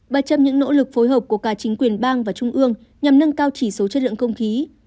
bà trong những nỗ lực phối hợp của cả chính quyền bang và trung ương nhằm nâng cao chỉ số chất lượng không khí